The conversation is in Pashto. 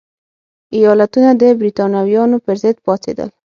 ایالتونه د برېټانویانو پرضد پاڅېدل.